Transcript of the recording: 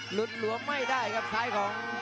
หลวมไม่ได้ครับซ้ายของ